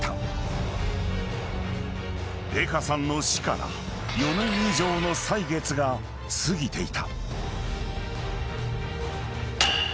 ［江歌さんの死から４年以上の歳月が過ぎていた］